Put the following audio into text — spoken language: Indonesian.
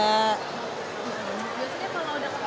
biasanya kalau udah ke pamerang gini budgetnya berapa